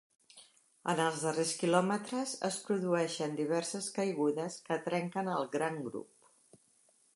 En els darrers quilòmetres es produeixen diverses caigudes que trenquen el gran grup.